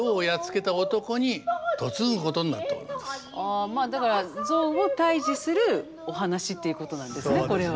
あまあだから象を退治するお話っていうことなんですねこれは。